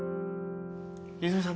泉さん